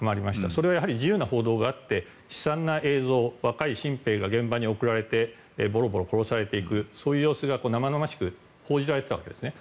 それはやはり自由な報道があって悲惨な映像若い新兵が現場に送られてボロボロ殺されていくそういう様子が生々しく報じられていたわけですね。